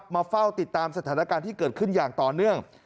มาเฝ้าติดตามสถานการณ์ที่เกิดขึ้นอย่างต่อเนื่อง